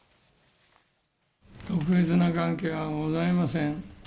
特別な関係はございません。